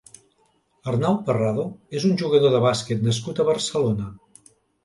Arnau Parrado és un jugador de bàsquet nascut a Barcelona.